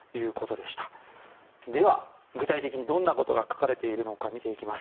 では、具体的にどんなことが書かれているのか見ていきます。